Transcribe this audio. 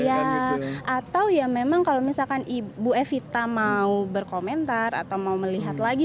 iya atau ya memang kalau misalkan ibu evita mau berkomentar atau mau melihat live gitu